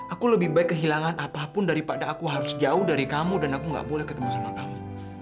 aku lebih baik kehilangan apapun daripada aku harus jauh dari kamu dan aku gak boleh ketemu sama kamu